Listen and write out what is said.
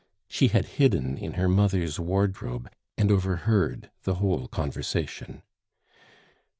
She had hidden in her mother's wardrobe and overheard the whole conversation.